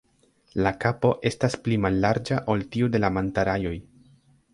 La kapo estas pli mallarĝa ol tiu de la Manta-rajoj.